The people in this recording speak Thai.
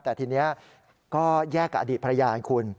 แต่ทีนี้ก็แยกกับอดีตภรรยาให้คุณ